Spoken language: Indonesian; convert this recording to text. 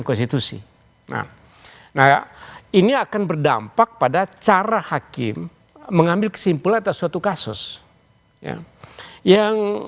konstitusi nah ini akan berdampak pada cara hakim mengambil kesimpulan atas suatu kasus yang